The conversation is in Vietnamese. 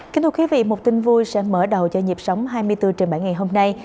kính thưa quý vị một tin vui sẽ mở đầu cho nhịp sống hai mươi bốn trên bảy ngày hôm nay